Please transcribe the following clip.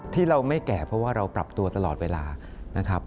ที่เราไม่แก่เพราะว่าเราปรับตัวตลอดเวลานะครับ